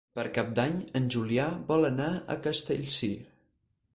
Per Cap d'Any en Julià vol anar a Castellcir.